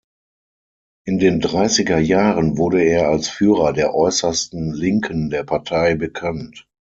In den dreißiger Jahren wurde er als Führer der äußersten Linken der Partei bekannt.